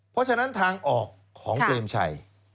เพราะฉะนั้นทางออกของเปรมชัย